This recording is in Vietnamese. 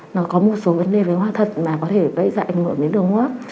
nó có một số vấn đề về hoa thật mà có thể gây ra ảnh hưởng đến đường hô hấp